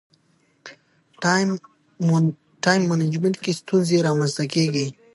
ټایم منجمنټ کې ستونزې رامنځته کېږي.